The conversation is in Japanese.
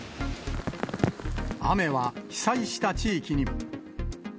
雨は被災した地域にも。